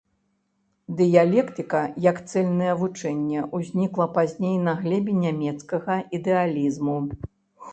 Дыялектыка як цэльнае вучэнне ўзнікла пазней на глебе нямецкага ідэалізму.